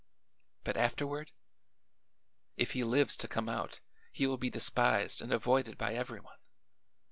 "But afterward? If he lives to come out he will be despised and avoided by everyone.